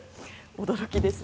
驚きですね。